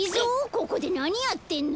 ここでなにやってんの？